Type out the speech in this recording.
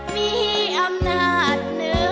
มีหินทรีย์มีหินทรีย์มีหินทรีย์